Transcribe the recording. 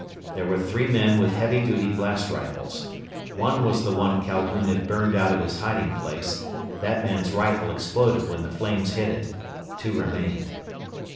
There were three men with heavy duty blast rifles. One was the one Calhoun had burned out of his hiding place. That man's rifle exploded when the flames hit it. Two remained.